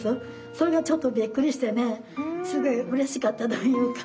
それがちょっとびっくりしてねすごいうれしかったというか。